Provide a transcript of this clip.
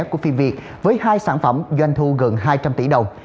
của phim việt với hai sản phẩm doanh thu gần hai trăm linh tỷ đồng